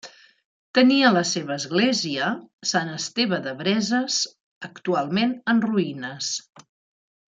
Tenia la seva església, Sant Esteve de Breses, actualment en ruïnes.